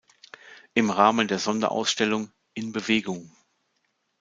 Im Rahmen der Sonderausstellung "In Bewegung.